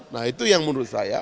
nah itu yang menurut saya